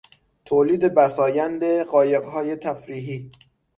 تولید بسایند قایقهای تفریحی